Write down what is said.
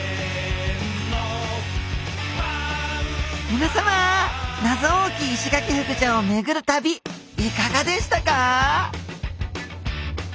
みなさま謎多きイシガキフグちゃんをめぐる旅いかがでしたか？